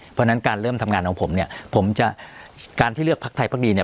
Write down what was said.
เพราะฉะนั้นการเริ่มทำงานของผมเนี่ยผมจะการที่เลือกพักไทยพักดีเนี่ย